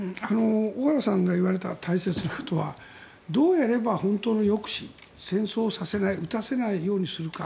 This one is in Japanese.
小原さんが言われた大切なことはどうやれば本当の抑止戦争をさせない撃たせないようにするか。